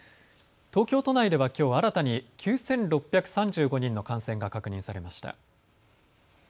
東京都内ではきょう新たに９６３５人の感染が確認されました。